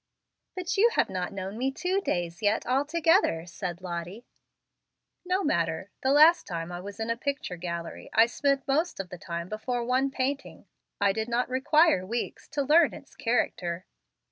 "But you have not known me two days yet altogether," said Lottie. "No matter. The last time I was in a picture gallery, I spent most o the time before one painting. I did not require weeks to learn its character."